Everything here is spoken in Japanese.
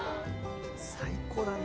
最高だね。